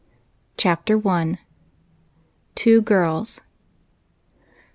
CHAPTER I. TWO GIRLS.